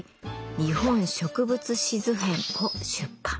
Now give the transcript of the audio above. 「日本植物志図篇」を出版。